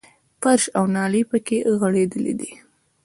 فرش او نالۍ پکې غړېدلې وې.